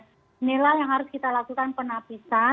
inilah yang harus kita lakukan penapisan